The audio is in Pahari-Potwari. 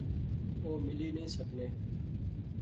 او ملی نئیں سکنے